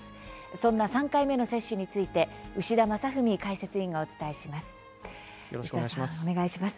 そんな３回目の接種について牛田正史解説委員がお伝えしていきます。